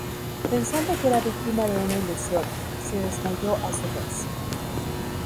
Pensando que era víctima de una ilusión, se desmayó a su vez.